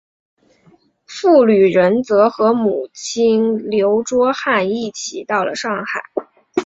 傅履仁则和母亲刘倬汉一起到了上海。